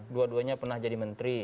dua duanya pernah jadi menteri